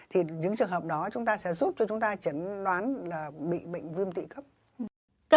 thì những trường hợp đó chúng ta sẽ giúp cho chúng ta chẩn đoán là bị bệnh viêm tỷ cấp